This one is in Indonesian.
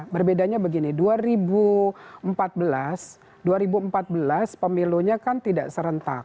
berbedanya begini dua ribu empat belas pemilunya kan tidak serentak